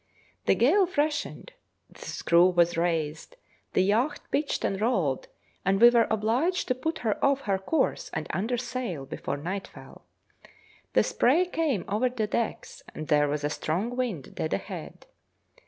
The gale freshened, the screw was raised, the yacht pitched and rolled, and we were obliged to put her off her course and under sail before night fell. The spray came over the decks, and there was a strong wind dead ahead.